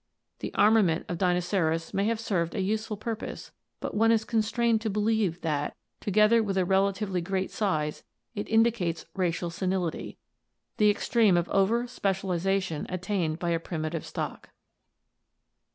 The armament of Dinoceras may have served a useful purpose but one is constrained to believe that, together with the relatively great size, it indicates racial senility — the extreme of over specialization attained by a primitive stock.